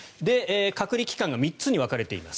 隔離期間が３つに分かれています。